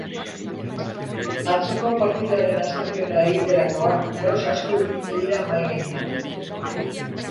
Atzoko partidaren azterketa egiterakoan gauza asko ipini dira mahai gainean.